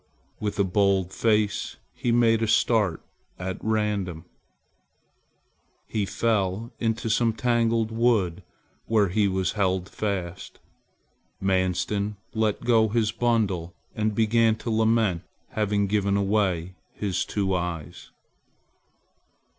With a bold face, he made a start at random. He fell into some tangled wood where he was held fast. Manstin let go his bundle and began to lament having given away his two eyes.